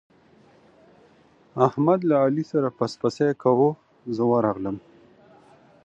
احمد له علي سره پسپسی کاوو، زه ورغلم.